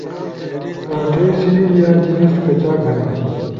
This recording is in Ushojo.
تھئی صنف یا جنس کچاک ہنی؟